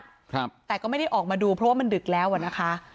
ครับแต่ก็ไม่ได้ออกมาดูเพราะว่ามันดึกแล้วอ่ะนะคะ